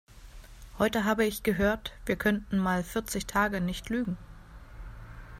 Heute habe ich gehört, wir könnten mal vierzig Tage nicht lügen.